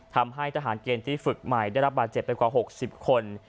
ทำให้ทหารเกณฑ์ที่ฝึกใหม่ได้รับบาดเจ็บไปกว่า๖๐คน